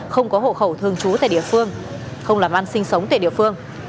không có hộ khẩu thương chú tại địa phương không làm ăn sinh sống tại địa phương